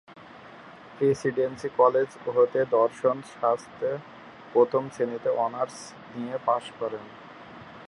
Presidency College হতে দর্শন শাস্ত্রে প্রথম শ্রেনীতে অনার্স নিয়ে পাশ করেন।